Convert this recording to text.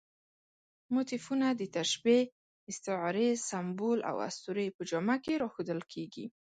موتیفونه د تشبیه، استعارې، سمبول او اسطورې په جامه کې راښودل کېږي.